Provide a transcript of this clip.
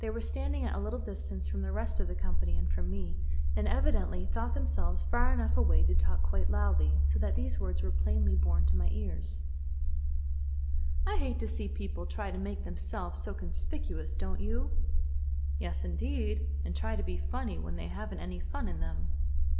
They were standing at a little distance from the rest of the company and from me, and evidently thought themselves far enough away to talk quite loud, so that these words were plainly borne to my ears: "I hate to see people try to make themselves so conspicuous, don't you?" "Yes, indeed; and to try to be funny when they haven't any fun in them."